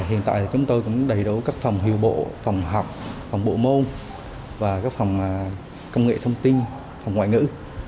hiện tại thì chúng tôi cũng đầy đủ các phòng hiệu bộ phòng học phòng bộ môn và các phòng công nghệ thông tin phòng ngoại ngữ